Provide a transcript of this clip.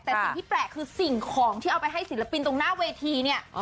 แต่สิ่งที่แปลกคือสิ่งของที่เอาไปให้ศิลปินตรงหน้าเวทีเนี่ย